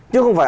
chứ không phải